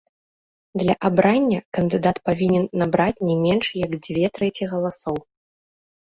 Для абрання кандыдат павінен набраць не менш як дзве трэці галасоў.